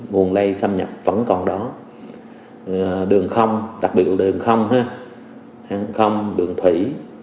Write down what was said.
nguồn lây xâm nhập vẫn còn đó đường không đặc biệt là đường không đường thủy